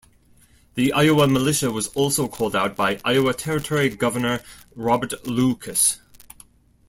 The Iowa militia was also called out by Iowa Territory governor Robert Lucas.